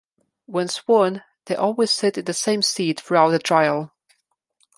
Once sworn they always sit in the same seat throughout the trial.